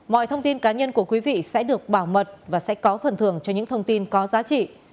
mọi thông tin cá nhân của quý vị sẽ được bảo mật và sẽ có phần thường cho những thông tin có giá trị